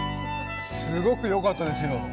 すごく良かったですよ！